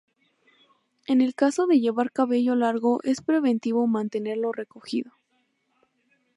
En el caso de llevar cabello largo es preventivo mantenerlo recogido.